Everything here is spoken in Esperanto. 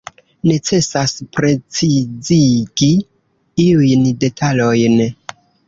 Necesas precizigi iujn detalojn.